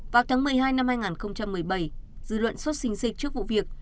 vào tháng một mươi hai năm hai nghìn một mươi bảy dư luận xuất sinh xây trước vụ việc